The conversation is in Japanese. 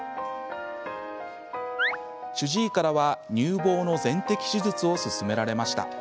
主治医からは乳房の全摘手術を勧められました。